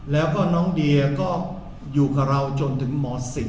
แล้วก็น้องเดียก็อยู่กับเราจนถึงม๑๐